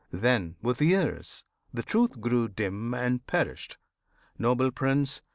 Then, with years, The truth grew dim and perished, noble Prince!